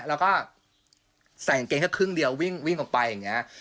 แล้วก็ใส่กางเกงแค่ครึ่งเดียววิ่งออกไปอย่างนี้